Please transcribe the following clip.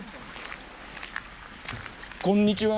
こんにちは。